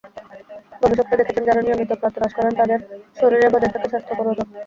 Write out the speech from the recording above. গবেষকেরা দেখেছেন যাঁরা নিয়মিত প্রাতরাশ করেন তাঁদের শরীরে বজায় থাকে স্বাস্থ্যকর ওজন।